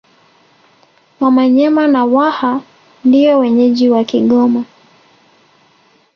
Wamanyema na Waha ndio wenyeji wa Kigoma